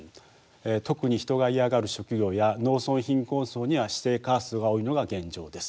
特に人が嫌がる職業や農村貧困層には指定カーストが多いのが現状です。